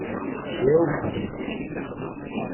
Kra ur sen-d-yeqqim.